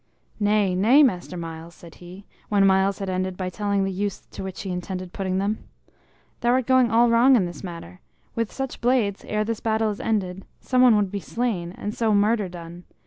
"Nay, nay, Master Myles," said he, when Myles had ended by telling the use to which he intended putting them. "Thou art going all wrong in this matter. With such blades, ere this battle is ended, some one would be slain, and so murder done.